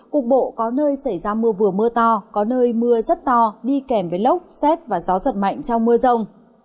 cục bộ có nơi xảy ra mưa vừa mưa to có nơi mưa rất to đi kèm với lốc xét và gió giật mạnh trong mưa rông